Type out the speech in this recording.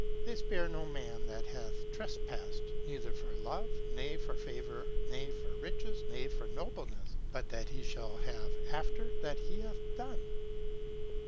They spare no man that hath trespassed, neither for love, ne for favour ne for riches, ne for noblesse; but that he shall have after that he hath done.